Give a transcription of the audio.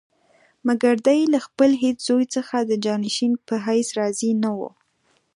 مګر دی له خپل هېڅ زوی څخه د جانشین په حیث راضي نه وو.